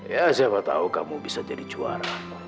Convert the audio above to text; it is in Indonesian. ya siapa tahu kamu bisa jadi juara